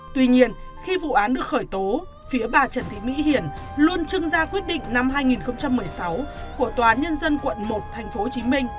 tuy nhiên khi vụ án được khởi tố phía bà trần thị mỹ hiền luôn chưng ra quyết định năm hai nghìn một mươi sáu của tòa nhân dân quận một tp hcm